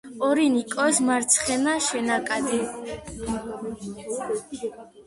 ორინოკოს მარცხენა შენაკადი.